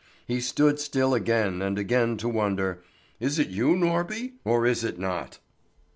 He stood still again and again to wonder: "Is it you, Norby, or is it not?"